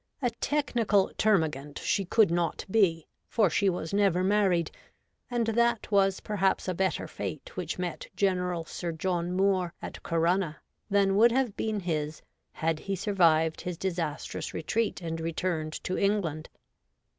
A technical termagant she could not be, for she was never married, and that was perhaps a better fate which met General Sir John Moore at Corunna than would have been his had he survived his disastrous retreat, and returned to England.